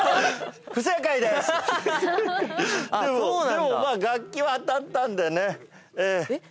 でも楽器は当たったんでね。